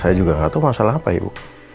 saya juga nggak tahu masalah apa ibu